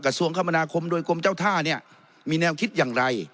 กระทรวงคมนาคมโดยกรมเจ้าท่าเนี่ยมีแนวคิดอย่างไร